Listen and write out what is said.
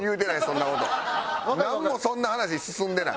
なんもそんな話進んでない。